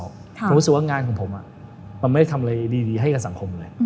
ผมรู้สึกว่างานของผมมันไม่ได้ทำอะไรดีให้กับสังคมเลย